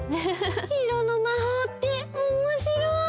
いろのまほうっておもしろい！